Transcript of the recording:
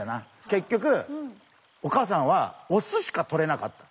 結局お母さんはオスしかとれなかった。